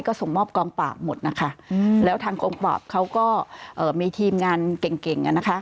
ก็ส่งมอบกองปราบหมดนะคะแล้วทางกองปราบเขาก็มีทีมงานเก่งเก่งอ่ะนะคะ